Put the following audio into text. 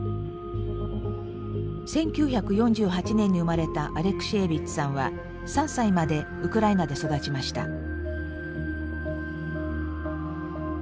１９４８年に生まれたアレクシエービッチさんは３歳までウクライナで育ちました。